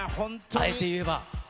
あえていえば。